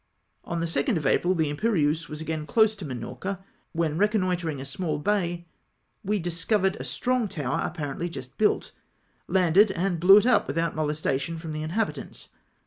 On the 2nd of April the Imperieuse was again close to Minorca, when reconnoitring a small bay we observed a strong tower, apparently just built. Landed, and blew it up without molestation from the inhabitants.